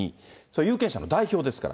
有権者の代表ですから。